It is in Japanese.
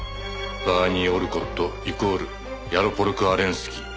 バーニー・オルコットイコールヤロポロク・アレンスキー。